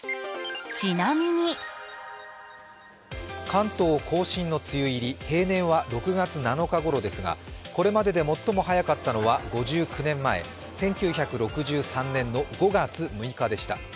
関東甲信の梅雨入り平年は６月７日頃ですがこれまでで最も早かったのは、５９年前１９６３年の５月６日でした。